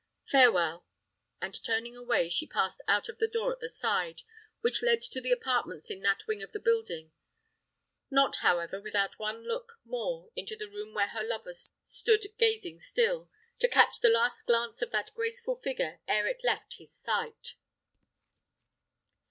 Farewell!" and turning away, she passed out of the door at the side, which led to the apartments in that wing of the building: not, however, without one look more into the room where her lover stood gazing still, to catch the last glance of that graceful figure ere it left his sight.